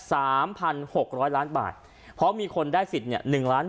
สามพันหกร้อยล้านบาทเพราะมีคนได้สิทธิ์เนี่ยหนึ่งล้าน